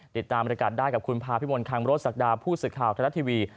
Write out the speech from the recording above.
ติดตามรายการได้กับคุณพาพิมพ์มนต์คังโมรถสักดาผู้สื่อข่าวคลาดรัฐทีวี